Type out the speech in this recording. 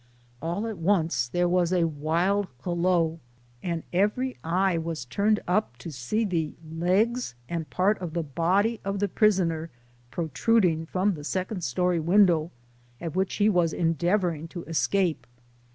'' All at once there was a wild hulloa, and every 06 SOME SCENES IX THE eye was turned up to see the legs and part of the body of the prisoner protruding from the second story window, at which he was endeavoring to escape.